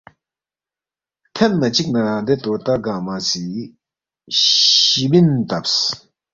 تھینما چِکنا دے طوطا گنگمہ سی شِبین تبس